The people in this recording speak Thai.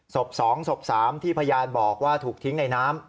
ศพ๒ศพ๓ที่พยานบอกว่าถูกทิ้งในน้ำ